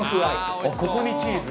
ここにチーズが。